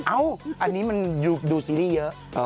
อันนี้มันดูซีรีส์เยอะ